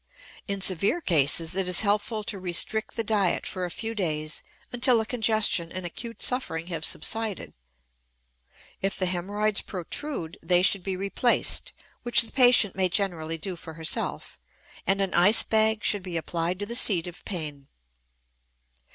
In severe cases it is helpful to restrict the diet for a few days until the congestion and acute suffering have subsided. If the hemorrhoids protrude, they should be replaced (which the patient may generally do for herself), and an ice bag should be applied to the seat of pain.